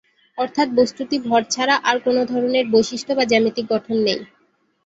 অর্থাৎ বস্তুটি ভর ছাড়া আর কোন ধরনের বৈশিষ্ট্য বা জ্যামিতিক গঠন নেই।